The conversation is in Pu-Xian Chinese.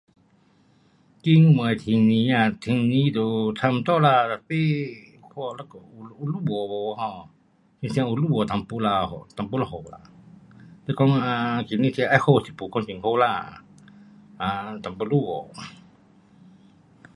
今天的天气啊，天气都差不多啦，tapi 看一下有落雨没 um？好像有落雨一点啦，一点落雨啦。是讲 um 天气是要好是没讲很好啦。啊，一点落雨。